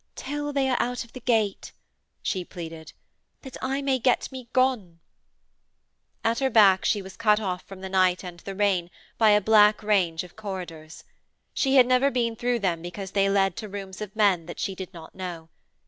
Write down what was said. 'Till they are out of the gate,' she pleaded, 'that I may get me gone.' At her back she was cut off from the night and the rain by a black range of corridors. She had never been through them because they led to rooms of men that she did not know.